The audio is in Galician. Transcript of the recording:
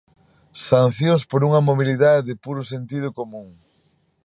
Sancións por unha mobilidade de puro sentido común.